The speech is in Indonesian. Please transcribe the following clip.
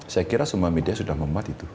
saya kira semua media sudah membuat itu